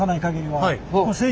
はい。